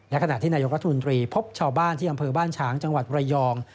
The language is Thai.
ขณะที่นายกรัฐมนตรีพบชาวบ้านที่อำเภอบ้านฉางจังหวัดระยอง